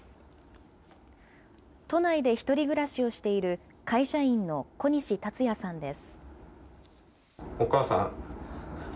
都内で１人暮らしをしている会社員の小西達也さんです。